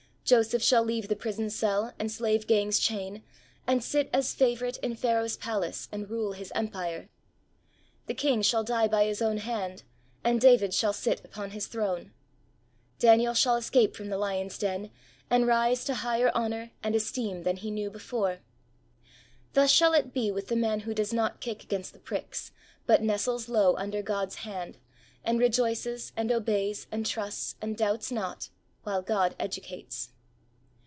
Joseph shall leave the prison cell and slave gang's chain and sit as favourite in Pharaoh's palace and rule his empire. The king shall die by his own hand, and David shall sit upon his throne. Daniel shall escape from the lions' den and rise to higher honour and esteem than he knew before. Thus shall it be with the man who does not kick against the pricks, but nestles low under God's hand and rejoices and obeys and trusts and doubts not while God educates.